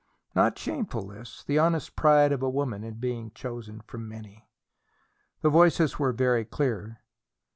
Not shameful, this: the honest pride of a woman in being chosen from many. The voices were very clear.